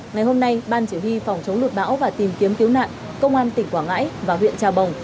ngày hôm nay ban chỉ huy phòng chống lụt bão và tìm kiếm cứu nạn công an tỉnh quảng ngãi và huyện trà bồng